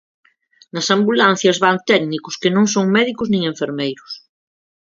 Nas ambulancias van técnicos que non son médicos nin enfermeiros.